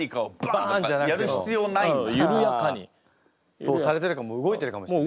そうされてるかも動いてるかもしれない。